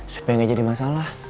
supaya ga jadi masalah